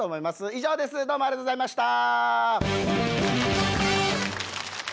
以上ですどうもありがとうございました。